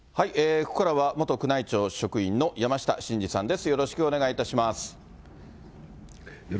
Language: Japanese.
ここからは元宮内庁職員の山下晋司さんです。